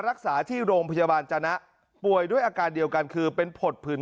รักษาที่โรงพยาบาลจนะป่วยด้วยอาการเดียวกันคือเป็นผดผื่น